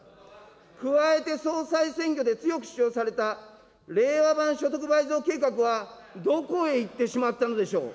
加えて総裁選挙で強く主張された、令和版所得倍増計画はどこへ行ってしまったのでしょう。